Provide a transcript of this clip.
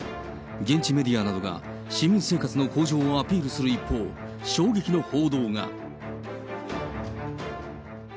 現地メディアなどが市民生活の向上をアピールする一方、衝撃の報道が。